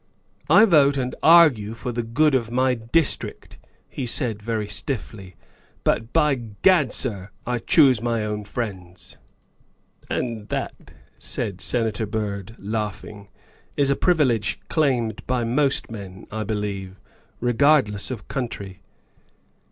' I vote and argue for the good of my district,' he said very stiffly, ' but, by Gad, sir, I choose my own friends. ''" And that," said Senator Byrd, laughing, " is a privilege claimed by most men, I believe, regardless of country.